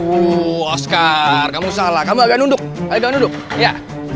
uh oscar kamu salah kamu akan nunduk agak nunduk ya